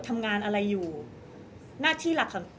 ก็ต้องฝากพี่สื่อมวลชนในการติดตามเนี่ยแหละค่ะ